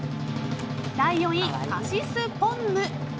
第４位、カシスポンム。